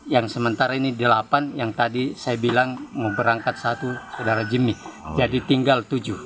yang sementara ini delapan yang tadi saya bilang mau berangkat satu saudara jimmy jadi tinggal tujuh